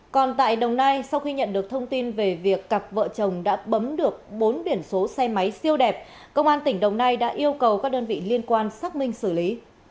còn tại đồng nai sau khi nhận được thông tin về việc cặp vợ chồng đã bấm được bốn biển số xe máy siêu đẹp công an tỉnh đồng nai đã yêu cầu các đơn vị liên quan xác minh xử lý